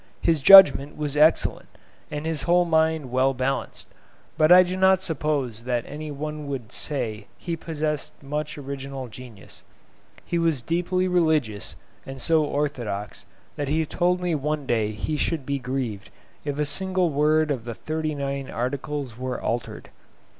His judgment was excellent, and his whole mind well balanced; but I do not suppose that any one would say that he possessed much original genius. He was deeply religious, and so orthodox that he told me one day he should be grieved if a single word of the Thirty nine Articles were altered.